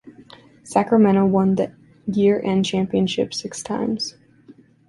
Sacramento won the year-end Championship six times.